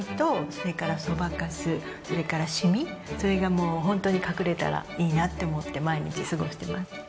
私はこのそれがもうホントに隠れたらいいなって思って毎日過ごしてます。